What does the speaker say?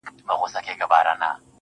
• يــاره مـدعـا يــې خوښه ســـوېده.